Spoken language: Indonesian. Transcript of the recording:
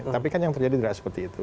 tapi kan yang terjadi tidak seperti itu